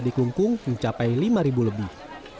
di kelungkung mencapai lima lebih